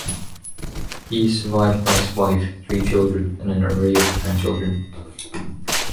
He is survived by his wife, three children and an array of grandchildren.